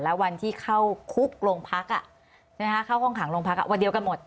แล้ววันที่เข้าคุกโรงพักษณ์อ่ะใช่ไหมคะเข้าห้องขังโรงพักษณ์อ่ะวันเดียวกันหมด